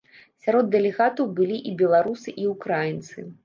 Сярод дэлегатаў былі і беларусы, і ўкраінцы.